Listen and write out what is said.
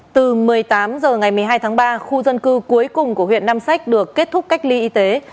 từ một mươi tám h ngày một mươi hai tháng ba khu dân cư cuối cùng của huyện nam sách được kết thúc cách ly y tế